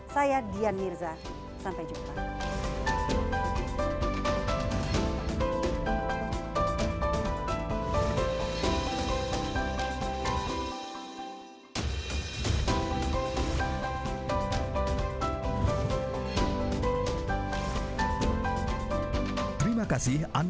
saya dian mirza sampai jumpa